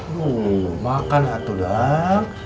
duh makan lah tuh dang